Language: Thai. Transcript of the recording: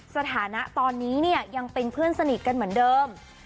สถานะตอนนี้เนี่ยยังเป็นเพื่อนสนิทกันเหมือนเดิม